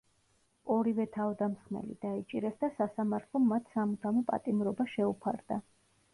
ორივე თავდამსხმელი დაიჭირეს და სასამართლომ მათ სამუდამო პატიმრობა შეუფარდა.